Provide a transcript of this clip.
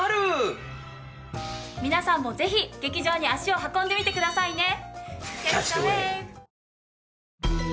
皆さんもぜひ劇場に足を運んでみてくださいね！